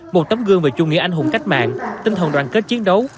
một tấm gương về chủ nghĩa anh hùng cách mạng tinh thần đoàn kết chiến đấu